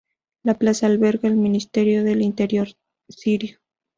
La plaza alberga el Ministerio del Interior sirio.